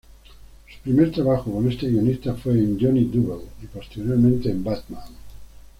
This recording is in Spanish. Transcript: Su primer trabajo con este guionista fue en "Johnny Double" y posteriormente en "Batman".